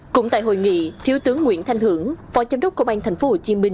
cũng tại hội nghị thiếu tướng nguyễn thanh hưởng phó chám đốc công an tp hcm